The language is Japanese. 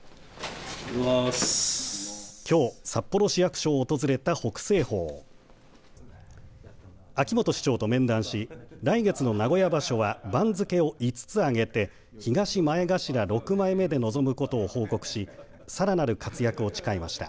きょう札幌市役所を訪れた北青鵬秋元市長と面談し来月の名古屋場所は番付を５つ上げて東前頭６枚目で臨むことを報告しさらなる活躍を誓いました。